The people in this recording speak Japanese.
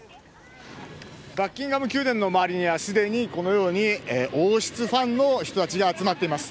バッキンガム宮殿の周りにはすでにこのように王室ファンの人たちが集まっています。